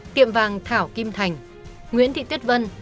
tiệm vàng thảo kim thành nguyễn thị tuyết vân